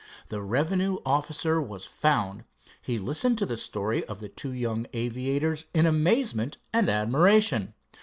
The revenue officer was found. He listened to the story of the two young aviators in amazement and admiration.